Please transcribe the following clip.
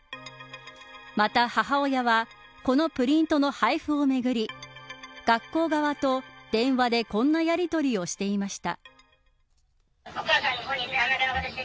また母親はこのプリントの配布をめぐり学校側と電話でこんなやりとりをしていました。